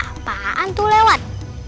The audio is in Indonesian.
apaan tuh lewat